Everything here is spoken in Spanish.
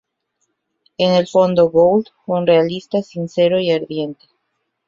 En el fondo, Gould fue un realista sincero y ardiente.